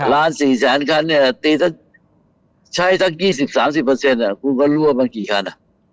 ล้านสี่แสนคันใช้ทั้ง๒๐๓๐คุณก็รั่วมากี่คัน